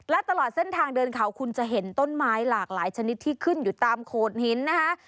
และตลอดเส้นทางเดินเขาคุณจะเห็นต้นไม้หลากหลายชนิดที่ขึ้นอยู่ตามโขดหินนะคะ